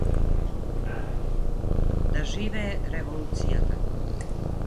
Да живее Револуцијата.